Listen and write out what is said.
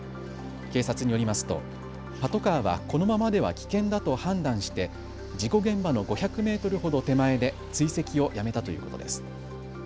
警察によりますとパトカーはこのままでは危険だと判断して事故現場の５００メートルほど手前で追跡をやめたということです。